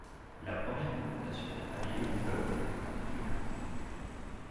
La première confrontation a lieu le à Dublin.